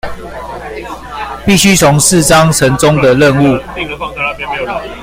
必須從事章程中的任務